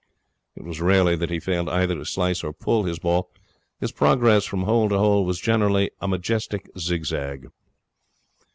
It was rarely that he failed either to slice or pull his ball. His progress from hole to hole was generally a majestic zigzag.